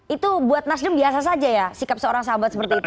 itu buat nasdem biasa saja ya sikap seorang sahabat seperti itu